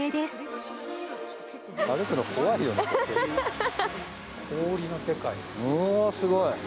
すごい。